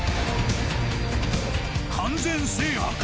完全制覇か。